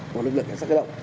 của lực lượng cảnh sát cơ động